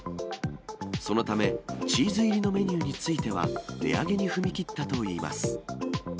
そのため、チーズ入りのメニューについては、値上げに踏み切ったといいます。